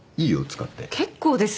結構です。